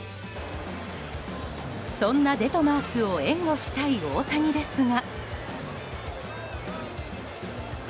そんなデトマースを援護したい大谷ですが。